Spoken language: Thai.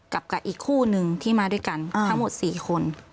กับอีกคู่นึงที่มาด้วยกันทั้งหมด๔คน